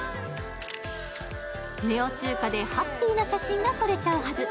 ネオ中華でハッピーな写真が撮れちゃうはず。